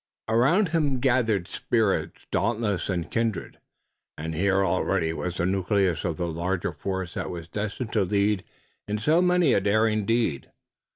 Around him gathered spirits dauntless and kindred, and here already was the nucleus of the larger force that he was destined to lead in so many a daring deed.